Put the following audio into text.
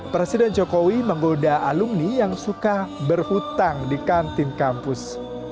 presiden jokowi menggoda alumni yang suka berhutang di kantin kampus